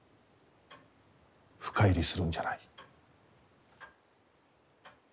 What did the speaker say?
深入りするんじゃない。